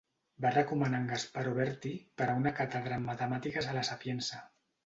Va recomanar en Gasparo Berti per a una càtedra en Matemàtiques a La Sapienza.